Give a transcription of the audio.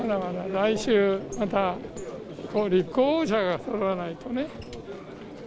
来週、また、立候補者がそろわないとね。